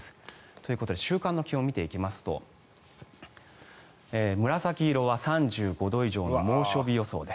ということで週間の気温を見ていきますと紫色は３５度以上の猛暑日予想で。